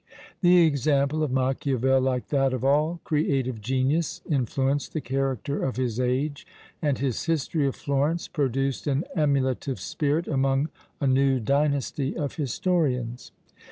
The example of Machiavel, like that of all creative genius, influenced the character of his age, and his history of Florence produced an emulative spirit among a new dynasty of historians.